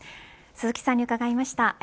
鈴木さんに伺いました。